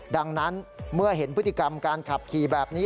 ดังนั้นเมื่อเห็นพฤติกรรมการขับขี่แบบนี้